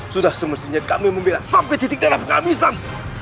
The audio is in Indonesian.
sudah semestinya kami membela sampai titik darah menghabisan